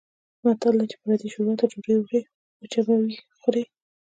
متل دی: چې پردۍ شوروا ته یې ډوډۍ وړوې وچه به یې خورې.